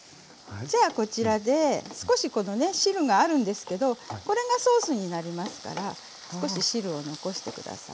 じゃあこちらで少しこのね汁があるんですけどこれがソースになりますから少し汁を残してください。